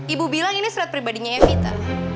ibu bilang ini surat pribadinya evita